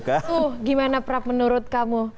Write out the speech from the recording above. suh gimana prap menurut kamu